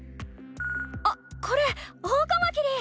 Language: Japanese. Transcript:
あっこれオオカマキリ！